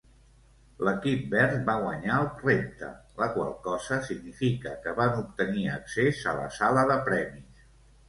L'equip verd va guanyar el repte, la qual cosa significa que van obtenir accés a la sala de premis.